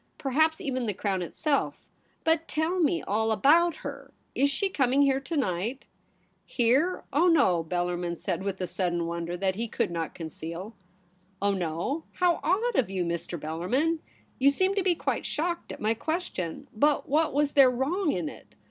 Perhaps even the Crown itself. But tell me all abotct her. Is she coming here to night ?'* Here ! Oh no !' Bellarmin said, with a sudden wonder that he could not conceal. ' Oh no ? How oddoi you, Mr. Bellarmin ! You seem to be quite shocked at my question. But what was there wrong in it